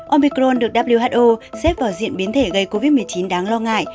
omicron được who xếp vào diện biến thể gây covid một mươi chín đáng lo ngại